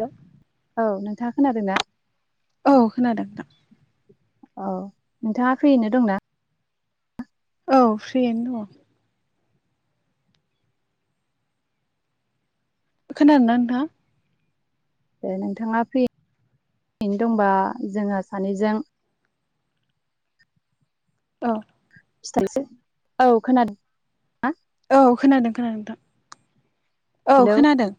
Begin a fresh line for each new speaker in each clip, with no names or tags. hello
औ नोंथाङा खोनादों ना
औ खोनादों नोंथां
औ नोंथाङा फ्रियैनो दंना
औ फ्रियैनो दङ खोनादों‌ ना नोंथां
ओ नोंथाङा फ्रियैनो दंबा जोङो सानैजों
औ
[unintelligible] औ खोनादों ना
औ खोनादों खोनादों नोंथां औ
हेलौ
खोनादों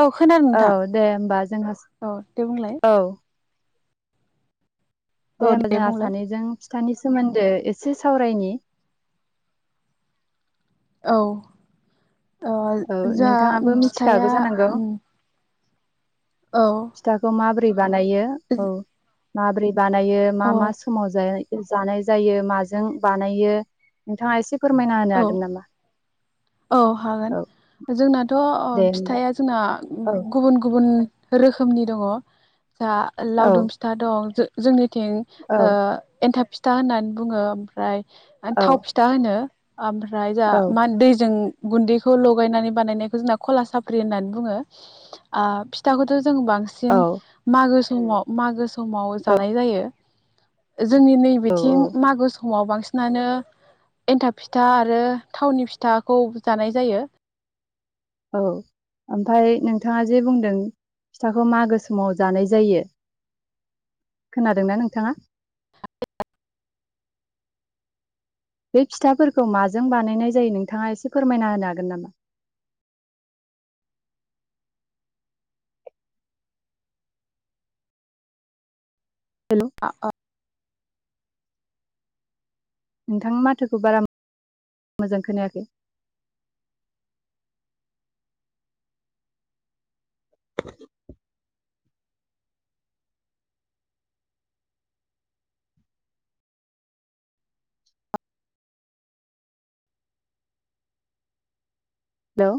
औ खोनादों
औ
नोंथां
दे होमबा जोंहा
औ दे बुंलाय
औ दे
औ
होमबा जोंहा
बुंलाय
सानैजों फिथानि सोमोन्दो एसे सावरायनि
औ ओ
औ
जाहा
नोंथाङाबो मिथिखागौ
फिथाया
जानांगौ
ओम
फिथाखौ माबोरै बानायो औ माबोरै बानायो मा
औ
मा समाव जाया जानाय जायो माजों बानायो नोंथाङा एसे फोरमायना होनो
औ
हागोन नामा
औ हागोन
औ
जोंनाथ' अ
दे होमबा
फिथाइा जोंना
औ
गुबुन गुबुन रोखोमनि दङ जा
औ
लावदुम फिथा दं जो जोंनि निथिं
औ
ओ एन्थाब फिथा होननानै बुङो ओमफ्राय
औ
थाव फिथा होनो ओमफ्राय जा
औ
मान दै गुनदैखौ लगायनानै बानायनायखौ जोंना गला साफ्रि होननानै बुङो आ फिथाखौथ' जों
औ
बांसिन मागो समाव मागो समाव
औ
जानाय जायो जोंनि
औ
नैबेथिं मागो स समाव बांसिनानो एन्थाब फिथा आरो थावनि फि थाखौ जानाय जायो
औ ओमफ्राय नोंथाङा जे बुंदों फिथाखौ मागो समाव जानाय जायो खोनादोंना नोंथाङा बे फिथाफोरखौ माजों बानायनाय जायो नोंथाङा एसे फोरमायना होनो हागोन नामा हेल'
[unintelligible]
नोंथांनि माथोखौ बारा मोजां खोनायाखै हेलौ